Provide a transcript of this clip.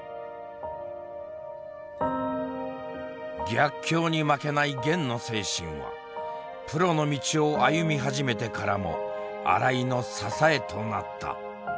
逆境に負けないゲンの精神はプロの道を歩み始めてからも新井の支えとなった。